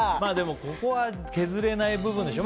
ここは削れない部分でしょ。